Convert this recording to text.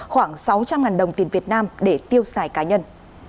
khoảng sáu trăm linh đồng tiền việt nam để tiêu xài cá nhân